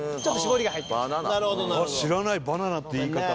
あっ知らないバナナって言い方。